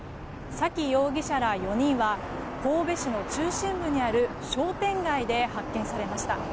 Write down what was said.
沙喜容疑者ら４人は神戸市の中心部にある商店街で発見されました。